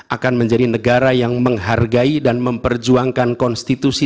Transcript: akan menjadi negara yang menghargai dan memperjuangkan konstitusi